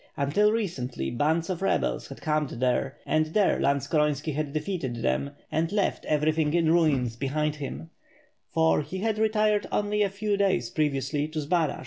Until recntly bands of rebels, had camped there, and there Lantskoronski had defeated them, and left everything in ruins behind him, for he had retired only a few days pre viously to Zbaraj.